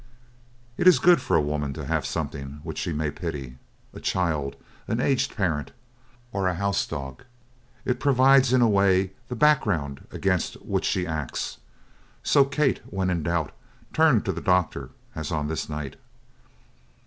It is good for a woman to have something which she may pity, a child, an aged parent, or a house dog. It provides, in a way, the background against which she acts; so Kate, when in doubt, turned to the doctor, as on this night.